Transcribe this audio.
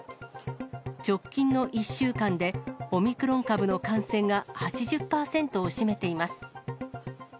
直近の１週間で、オミクロン株の感染が８０％を占めています。